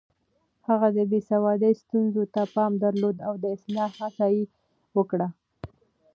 هغه د بې سوادۍ ستونزو ته پام درلود او د اصلاح هڅه يې وکړه.